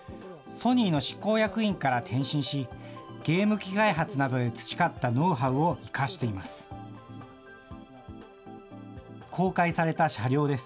ソニーの執行役員から転身し、ゲーム機開発などで培ったノウハウを生かしています。